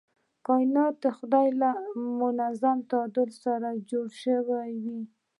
کائنات د خدای له منظم تعادل سره جوړ شوي.